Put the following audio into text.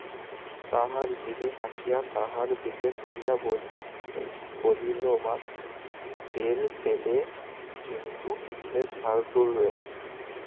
তাহার দিদি হাসিয়া তাহার দিকে চাহিয়া বলিলমা টের পেলে কিন্তু-পিঠের ছাল তুলবে।